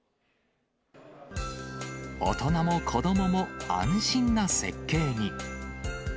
大人も子どもも安心な設計に。